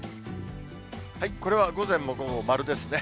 これは午前も午後も丸ですね。